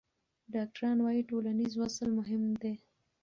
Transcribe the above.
ډاکټران وايي ټولنیز وصل مهم دی.